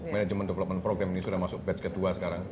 management development program ini sudah masuk batch kedua sekarang